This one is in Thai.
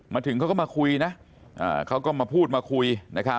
มาถึงเขาก็มาคุยนะอ่าเขาก็มาพูดมาคุยนะครับ